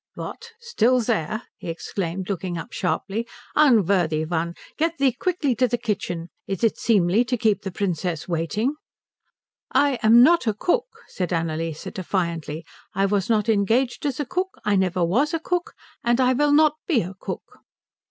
"What, still there?" he exclaimed, looking up sharply. "Unworthy one, get thee quickly to the kitchen. Is it seemly to keep the Princess waiting?" "I am not a cook," said Annalise defiantly. "I was not engaged as a cook, I never was a cook, and I will not be a cook."